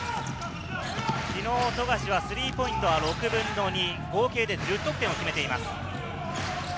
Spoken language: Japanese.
昨日、富樫はスリーポイントは６分の２、合計１０得点を決めています。